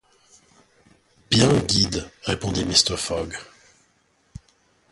Bien, guide, répondit Mr. Fogg.